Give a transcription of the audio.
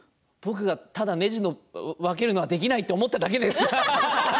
僕がただ、ねじの分けるのはできないと思っただけです。